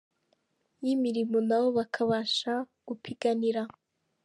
y’imirimo nabo bakabasha gupiganira.